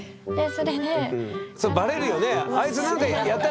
それバレるよね。